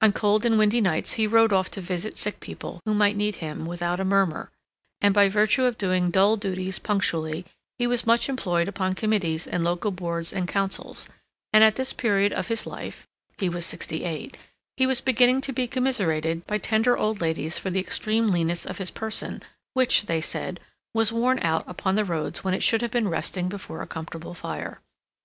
On cold and windy nights he rode off to visit sick people, who might need him, without a murmur; and by virtue of doing dull duties punctually, he was much employed upon committees and local Boards and Councils; and at this period of his life (he was sixty eight) he was beginning to be commiserated by tender old ladies for the extreme leanness of his person, which, they said, was worn out upon the roads when it should have been resting before a comfortable fire.